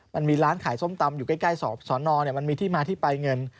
มันมีร้านขายส้มตำอยู่ใกล้สอนอมันมีที่มาที่ไปเงิน